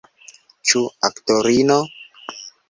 Ĉu aktorino?